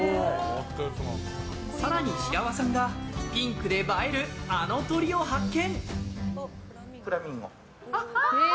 更に、白輪さんがピンクで映えるあの鳥を発見。